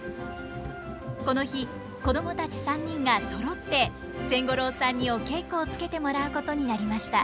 この日子供たち３人がそろって千五郎さんにお稽古をつけてもらうことになりました。